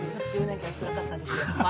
１０年間つらかったです。